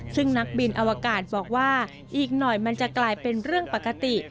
ซึ่งนักบินอวกาศบอกว่าอีกหน่อยมันจะกลายเป็นเรื่องปกติ